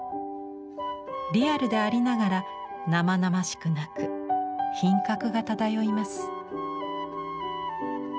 リアルでありながら生々しくなく品格が漂います。